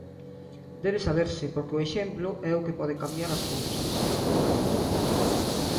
Debe saberse, porque o exemplo é o que pode cambiar as cousas.